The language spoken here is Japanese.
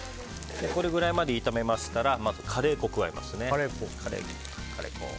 これぐらいまで炒めましたらカレー粉を加えます。